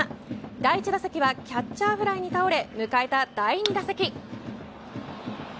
第１打席はキャッチャーフライに倒れ迎えた第２打席。